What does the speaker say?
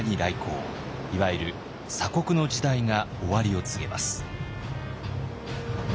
いわゆる鎖国の時代が終わりを告げます。